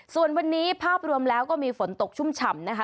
ส่วนวันนี้ภาพรวมแล้วก็มีฝนตกชุ่มฉ่ำนะคะ